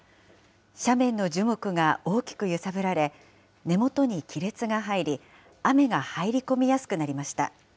斜面の樹木が大きく揺さぶられ、根元に亀裂が入り、雨が入り込みやすくなりました。